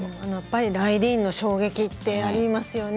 「ライディーン」の衝撃ってありますよね。